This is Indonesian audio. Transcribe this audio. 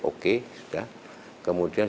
oke sudah kemudian